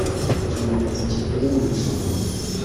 ikimenyetso kivuye mu ijuru